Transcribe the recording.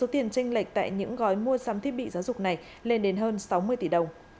tiền tranh lệch tại những gói mua sắm thiết bị giáo dục này lên đến hơn sáu mươi tỷ đồng